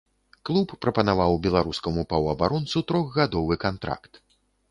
Клуб прапанаваў беларускаму паўабаронцу трохгадовы кантракт.